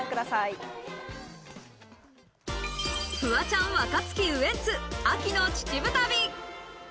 フワちゃん、若槻、ウエンツ、秋の秩父旅。